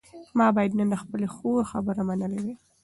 ما باید نن د خپلې خور خبره منلې وای.